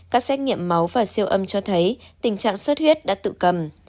các xét nghiệm máu và siêu âm cho thấy tình trạng xuất huyết đã tự cầm